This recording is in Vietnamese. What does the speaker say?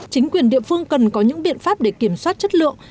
chính quyền địa phương cần có những biện pháp để kiểm soát chất lượng